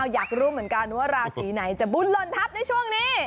อยากรู้เหมือนกันว่าราศีไหนจะบุญลนทัพในช่วงนี้